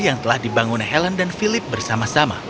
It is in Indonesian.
yang telah dibangun helen dan philip bersama sama